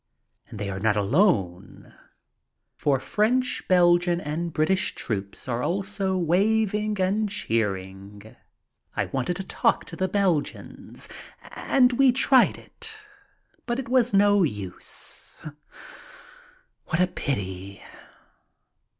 And they are not alone, for French, Belgian, and British troops are also waving and cheering. I wanted to talk to the Belgians, and we tried it, but it was no use. What a pity!